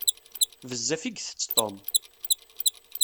Bezzaf i itett Tom.